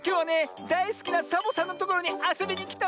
だいすきなサボさんのところにあそびにきたわよ。